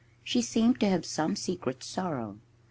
She seemed to have some secret sorrow.